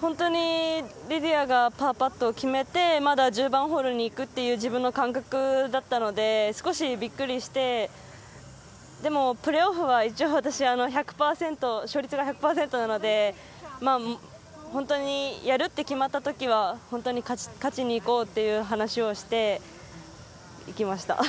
本当にリディアがパーパットを決めて、まだ１０番ホールに行くっていう感覚だったので少しびっくりして、でもプレーオフは、一応私は勝率が１００％なので、本当にやるって決まった時は勝ちに行こうという話をして行きました。